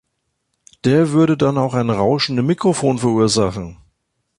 Der würde dann auch ein Rauschen im Mikrofon verursachen.